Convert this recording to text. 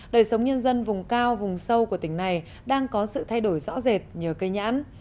đời sống nhân dân vùng cao vùng sâu của tỉnh này đang có sự thay đổi rõ rệt nhờ cây nhãn